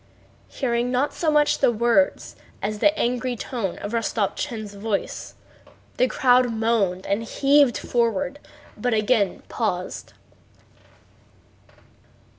Hearing not so much the words as the angry tone of Rostopchín's voice, the crowd moaned and heaved forward, but again paused.